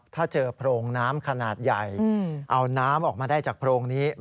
ถ้าเจอโพรงน้ำขนาดใหญ่เอาน้ำออกมาได้จากโพรงนี้